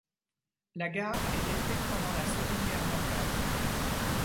La gare est détruite pendant la Seconde Guerre mondiale.